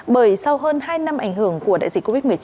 bởi sau hơn hai năm ảnh hưởng của đại dịch covid một mươi chín